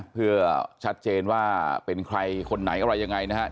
เพื่อชัดเจนว่าเป็นใครคนไหนอะไรยังไงนะครับ